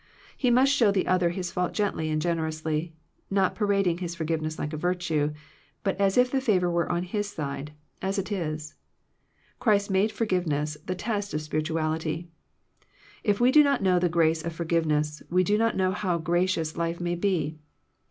He must show the other his fault gently and generously, not parading his forgive ness like a virtue, but as if the favor were on his side — as it is. Christ made for giveness the test of spirituality. If we do not know the grace of forgiveness, we do not know how gracious life may be.